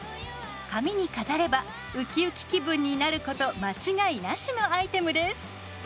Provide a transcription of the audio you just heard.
髪に飾ればウキウキ気分になること間違いなしのアイテムです。